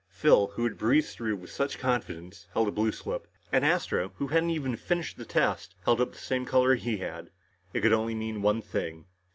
Phil, who had breezed through with such confidence, held a blue slip, and Astro, who hadn't even finished the test, held up the same color that he had. It could only mean one thing.